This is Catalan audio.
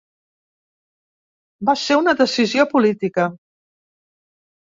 Va ser una decisió política.